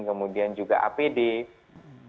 kemudian juga apa yang akan diperlakukan adalah